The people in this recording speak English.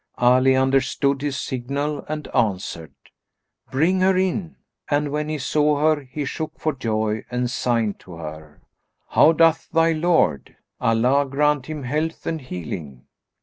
Ali understood his signal and answered, "Bring her in," and when he saw her, he shook for joy and signed to her, "How doth thy lord?; Allah grant him health and healing!"